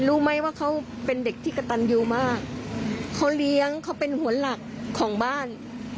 รู้ไหมว่าเขาเป็นเด็กที่กระตันยูมากเขาเลี้ยงเขาเป็นหัวหลักของบ้าน